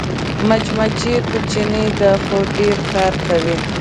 مچمچۍ کوچنۍ ده خو ډېر کار کوي